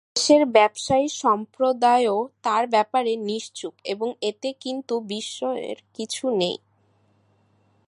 দেশের ব্যবসায়ী সম্প্রদায়ও তাঁর ব্যাপারে নিশ্চুপ এবং এতে কিন্তু বিস্ময়ের কিছু নেই।